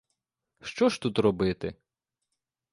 Що ж тут робити?